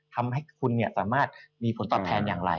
ทำให้คุณสามารถมีผลตอบแทนอย่างไร